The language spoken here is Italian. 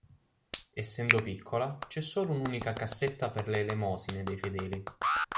Essendo piccola, c'è solo un'unica cassetta per le elemosine dei fedeli.